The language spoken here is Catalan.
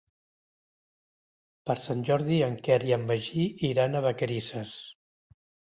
Per Sant Jordi en Quer i en Magí iran a Vacarisses.